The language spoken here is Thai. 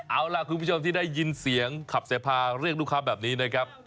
เอาล่ะคุณผู้ชมที่ได้ยินเสียงขับเสพาเรียกลูกค้าแบบนี้นะครับ